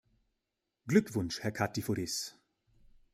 Glückwunsch, Herr Katiforis.